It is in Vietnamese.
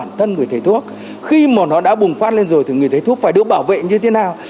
bản thân người thầy thuốc khi mà nó đã bùng phát lên rồi thì người thấy thuốc phải được bảo vệ như thế nào